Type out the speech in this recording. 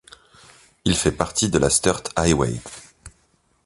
Il fait partie de la Sturt Highway.